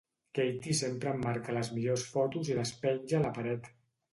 Katie sempre emmarca les millors fotos i les penja a la paret.